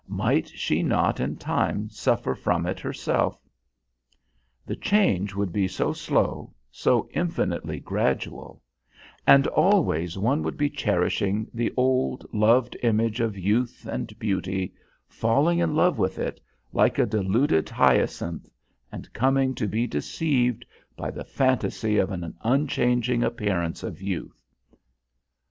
Might she not in time suffer from it herself? The change would be so slow, so infinitely gradual; and always one would be cherishing the old, loved image of youth and beauty, falling in love with it, like a deluded Hyacinth, and coming to be deceived by the fantasy of an unchanging appearance of youth.